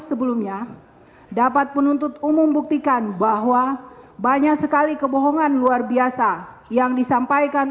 sebelumnya dapat penuntut umum buktikan bahwa banyak sekali kebohongan luar biasa yang disampaikan